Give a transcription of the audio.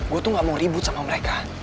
gue tuh gak mau ribut sama mereka